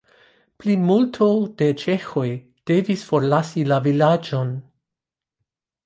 Plimulto de ĉeĥoj devis forlasi la vilaĝon.